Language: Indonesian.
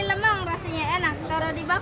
ali emang masih anak anak